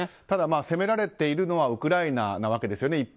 ただ、攻められているのはウクライナなわけですよね。